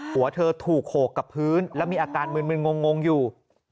หัวเธอถูกโขกกับพื้นแล้วมีอาการมืนงงอยู่